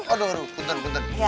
aduh kita turun